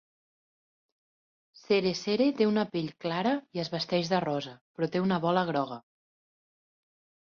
CereCere té una pell clara i es vesteix de rosa, però té una bola groga.